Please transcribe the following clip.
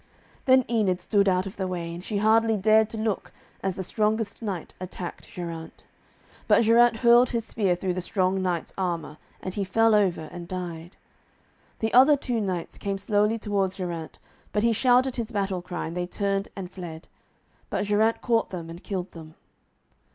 Then Enid stood out of the way, and she hardly dared to look as the strongest knight attacked Geraint. But Geraint hurled his spear through the strong knight's armour, and he fell over and died. The other two knights came slowly towards Geraint, but he shouted his battle cry, and they turned and fled. But Geraint caught them, and killed them.